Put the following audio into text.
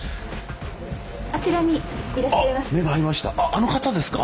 あの方ですか？